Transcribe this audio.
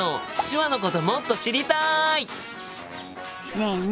ねえね